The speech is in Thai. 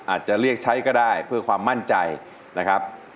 อาจจะเรียกใช้ก็ได้เพื่อความมั่นใจนะครับ